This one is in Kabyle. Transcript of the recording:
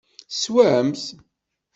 Teswamt.